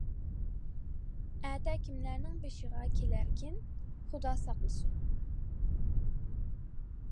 ئەتە كىملەرنىڭ بېشىغا كېلەركىن؟ خۇدا ساقلىسۇن.